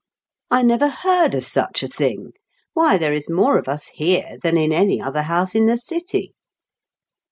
I never heard of such a thing ! Why, there is more of us here than in any other house in the city."